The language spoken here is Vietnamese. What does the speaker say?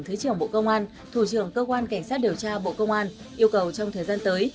thứ trưởng bộ công an thủ trưởng cơ quan cảnh sát điều tra bộ công an yêu cầu trong thời gian tới